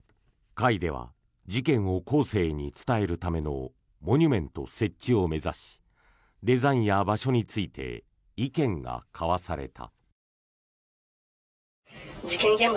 会では事件を後世に伝えるためのモニュメント設置を目指しデザインや場所について意見が交わされた。